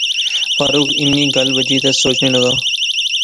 فاروق ان نی گل بجی تے سوچنے لاغا